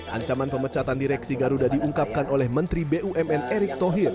ancaman pemecatan direksi garuda diungkapkan oleh menteri bumn erick thohir